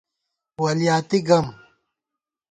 ولیاتی گَم